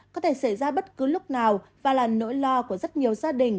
có thể xảy ra bất cứ lúc nào và là nỗi lo của rất nhiều gia đình